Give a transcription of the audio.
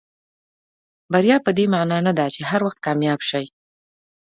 بریا پدې معنا نه ده چې هر وخت کامیاب شئ.